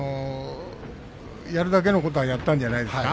やるだけのことはやったんじゃないですか。